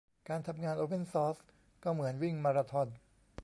การทำงานโอเพนซอร์สก็เหมือนวิ่งมาราธอน